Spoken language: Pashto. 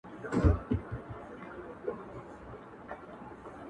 • چي وې توږم له لپو نه مي خواست د بل د تمي..